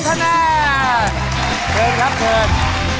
เกิดครับเกิด